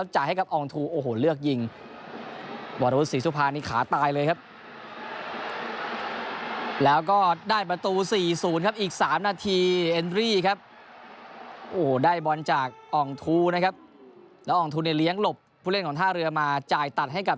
จากอองทูนะครับแล้วอองทูเนี่ยเลี้ยงหลบผู้เล่นของท่าเรือมาจ่ายตัดให้กับ